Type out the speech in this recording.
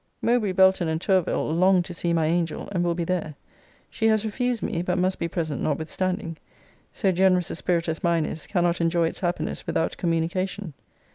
Mowbray, Belton, and Tourville, long to see my angel, and will be there. She has refused me; but must be present notwithstanding. So generous a spirit as mine is cannot enjoy its happiness without communication.